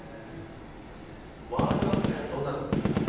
ワールドカップってどんなところですか？